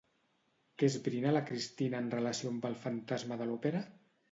Què esbrina la Christine en relació amb el fantasma de l'òpera?